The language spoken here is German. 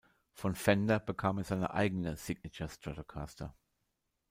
Von Fender bekam er seine eigene "Signature Stratocaster".